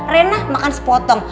renah makan sepotong